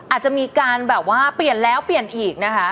อาจจะมีการแบบว่าเปลี่ยนแล้วเปลี่ยนอีกนะคะ